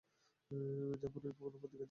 যখন এর কোন প্রতিকারও নেই।